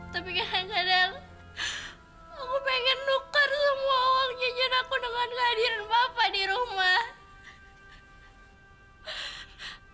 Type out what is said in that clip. tapi kadang kadang aku pengen nukar semua uang jujur aku dengan kehadiran bapak di rumah